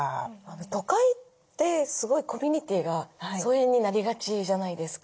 都会ってすごいコミュニティーが疎遠になりがちじゃないですか。